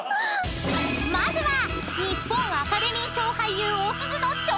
［まずは日本アカデミー賞俳優］